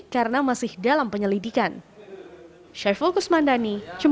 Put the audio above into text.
karena masih dalam penyelidikan